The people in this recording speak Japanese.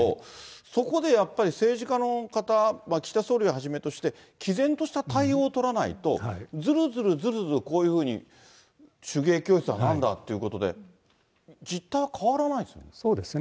そこでやっぱり、政治家の方、岸田総理をはじめとして、きぜんとした対応を取らないと、ずるずるずるずる、こういうふうに手芸教室だなんだっていうことで、実態は変わらないですよね。